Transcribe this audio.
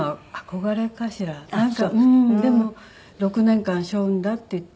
でも６年間背負うんだっていって。